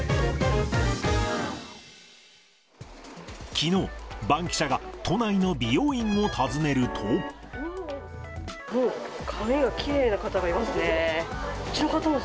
きのう、バンキシャが都内の美容院を訪ねると。髪がきれいな方がいますね。